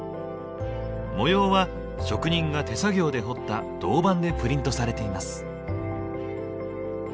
模様は職人が手作業で彫った銅板でプリントされています。